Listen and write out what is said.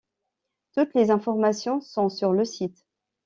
Toutes les informations sont sur le site.